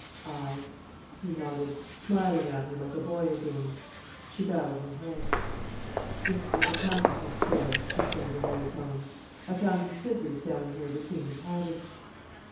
"Aye," he nodded, smiling at her like a boy again. She bowed her head. "This was the countess's chair," she said in low tones. "I found her scissors down here between the padding."